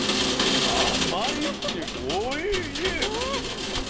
甘いしおいしい。